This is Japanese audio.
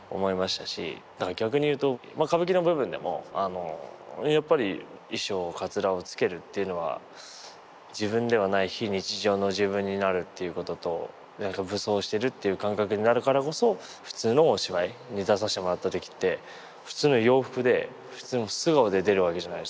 逆に言うと歌舞伎の部分でもやっぱり衣装かつらを着けるっていうのは自分ではない非日常の自分になるっていうこととなんか武装してるっていう感覚になるからこそ普通のお芝居に出させてもらった時って普通の洋服で普通の素顔で出るわけじゃないですか。